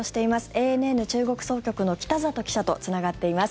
ＡＮＮ中国総局の北里記者とつながっています。